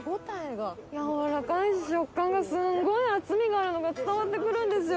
軟らかいし食感がすごい厚みがあるのが伝わってくるんですよ